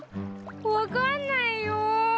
分かんないよ！